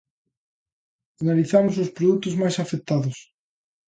Analizamos os produtos máis afectados.